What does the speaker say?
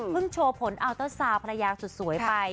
โชว์ผลอัลเตอร์ซาวภรรยาสุดสวยไป